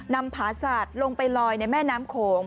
นำผาศาสตร์ลงไปลอยในแม่น้ำโขง